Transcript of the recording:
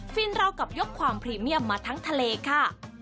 ฟินเรากับยกความพรีเมียมมาทั้งทะเลค่ะ